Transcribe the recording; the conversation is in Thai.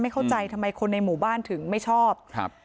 เข้าใจทำไมคนในหมู่บ้านถึงไม่ชอบครับ